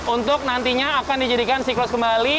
untuk nantinya akan dijadikan siklus kembali